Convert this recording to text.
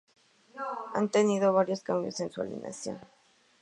Han tenido varios cambios en su alineación.